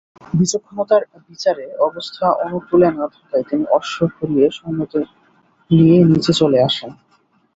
বিচক্ষণতার বিচারে অবস্থা অনুকূলে না থাকায় তিনি অশ্ব ঘুরিয়ে সৈন্যদের নিয়ে নিচে চলে আসেন।